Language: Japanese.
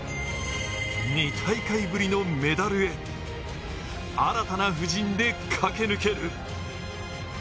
２大会ぶりのメダルへ、新たな布陣で駆け抜ける。